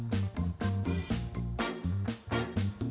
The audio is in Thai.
เป็นคนแกะไปเลยอ่ะ